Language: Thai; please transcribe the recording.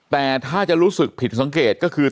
แต่ถ้าจะรู้สึกผิดสังเกตก็คือ